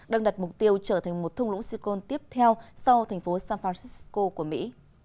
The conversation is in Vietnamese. đang đặt mục tiêu trở thành một thung lũng sicon tiếp theo sau thành phố san francisco của mỹ